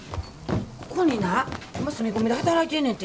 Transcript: ここにな今住み込みで働いてんねんて。